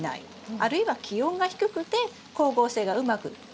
あるいは気温が低くて光合成がうまく働かない。